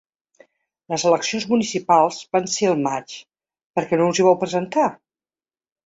Les eleccions municipals van ser al maig, per què no us hi vau presentar?